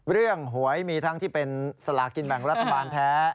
หวยมีทั้งที่เป็นสลากินแบ่งรัฐบาลแท้